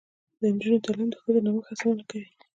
د نجونو تعلیم د ښځو نوښت هڅونه کوي.